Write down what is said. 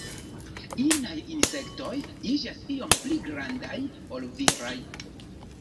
Inaj insektoj iĝas iom pli grandaj ol viraj.